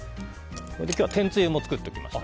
今日は天つゆも作っておきました。